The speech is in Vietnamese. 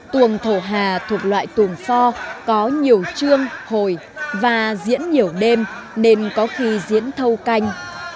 tuồng thổ hà thuộc loại tuồng pho có nhiều trương hồi và diễn nhiều đêm nên có khi diễn thâu canh